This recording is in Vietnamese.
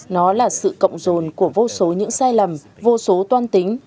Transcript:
nó là sự cộng rồn của vô số những sai lầm vô số toan tính